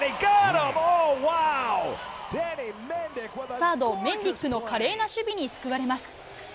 サード、メンディックの華麗な守備に救われます。